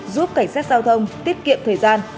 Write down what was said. giúp cảnh sát giao thông tiết kiệm thời gian